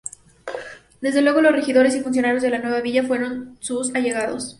Desde luego los regidores y funcionarios de la nueva villa fueron sus allegados.